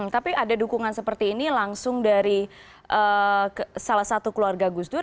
tapi ada dukungan seperti ini langsung dari salah satu keluarga gus dur